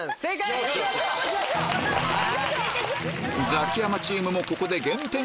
ザキヤマチームもここで減点